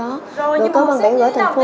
rồi nhưng mà hợp xét biên bản gửi thành phố